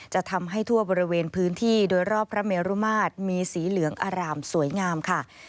จะทำให้ทั่วบริเวณพื้นที่โดยรอบพระเมรุมาตรมีสีเหลืองอร่ามสวยงามค่ะ